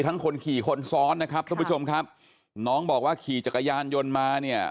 คนขี่คนซ้อนนะครับทุกผู้ชมครับน้องบอกว่าขี่จักรยานยนต์มาเนี่ย